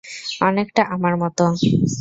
অনেকটা আমার মতো।